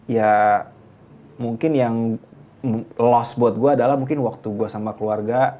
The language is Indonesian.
ya mungkin yang lost buat gue adalah mungkin waktu gue sama keluarga